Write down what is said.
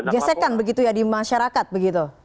gesekan begitu ya di masyarakat begitu